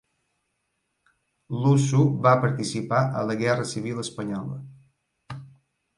Lussu va participar a la guerra civil espanyola.